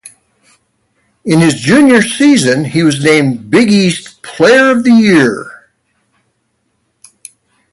In his junior season he was named Big East Player of the Year.